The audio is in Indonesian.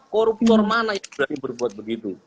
koruptor mana yang berani berbuat begitu